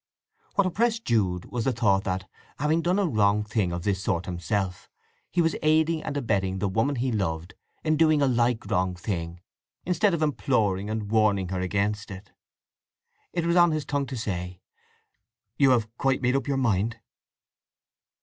What oppressed Jude was the thought that, having done a wrong thing of this sort himself, he was aiding and abetting the woman he loved in doing a like wrong thing, instead of imploring and warning her against it. It was on his tongue to say, "You have quite made up your mind?"